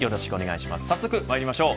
早速まいりましょう。